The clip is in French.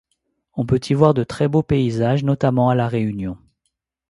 On peut y voir de très beaux paysages notamment à la Réunion.